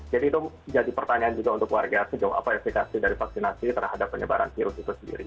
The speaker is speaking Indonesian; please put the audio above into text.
jadi itu jadi pertanyaan juga untuk warga sejauh apa efek dari vaksinasi terhadap penyebaran virus itu sendiri